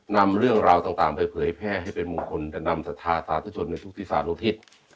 นำเรื่องราวต่างเผยแพร่ให้เป็นมงคลแต่นำศาสตร์ศาสตร์ชนในทุกษิศาสตร์โลกทิศ